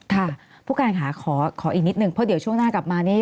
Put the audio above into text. ค่ะผู้การค่ะขออีกนิดนึงเพราะเดี๋ยวช่วงหน้ากลับมานี่